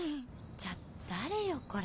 じゃ誰よこれ。